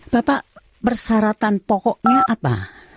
bapak persyaratan pokoknya apa